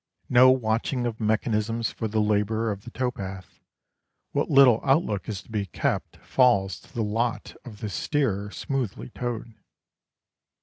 No watching of mechanisms for the labourer of the tow path. What little outlook is to be kept falls to the lot of the steerer smoothly towed.